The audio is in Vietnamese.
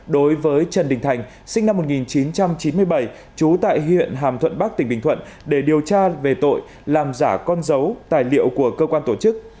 đối với trần đình thành sinh năm một nghìn chín trăm chín mươi bảy trú tại huyện hàm thuận bắc tỉnh bình thuận để điều tra về tội làm giả con dấu tài liệu của cơ quan tổ chức